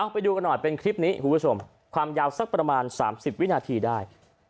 ไปดูกันหน่อยเป็นคลิปนี้คุณผู้ชมความยาวสักประมาณ๓๐วินาทีได้